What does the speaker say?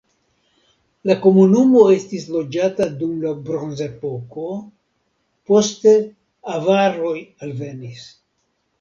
La komunumo estis loĝata dum la bronzepoko, poste avaroj alvenis.